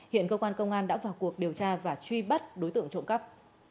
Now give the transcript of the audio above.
hiện cơ quan công an đã vào cuộc điều tra và truy bắt đối tượng trộm cắp